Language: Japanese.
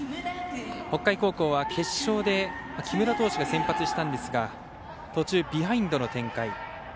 北海高校は決勝で木村投手が先発したんですが途中、ビハインドの展開。